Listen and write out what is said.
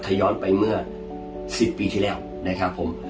ถ้าย้อนไปเมื่อ๑๐ปีที่แล้วนะครับผม